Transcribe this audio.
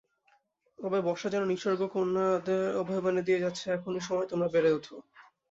তবে বর্ষা যেন নিসর্গ কন্যাদের অভয়বাণী দিয়ে যাচ্ছে-এখনই সময়, তোমরা বেড়ে ওঠো।